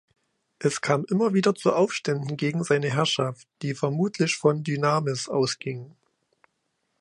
Es kam immer wieder zu Aufständen gegen seine Herrschaft, die vermutlich von Dynamis ausgingen.